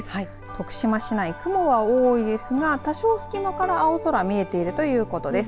徳島市内、雲が多いですが多少、隙間から青空見えているということです。